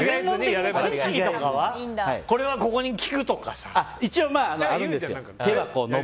これはここに効くとかないの？